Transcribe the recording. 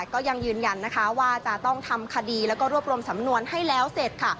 ก็ยังยืนยันว่าจะต้องทำคดีและรวบรวมสำนวนให้แล้วเสร็จ